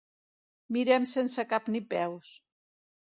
Mirem sense cap ni peus.